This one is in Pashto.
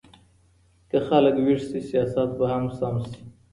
که خلګ ويښ سي سياست به هم سم سي.